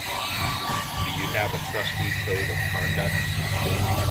Do you have a trustee code of conduct?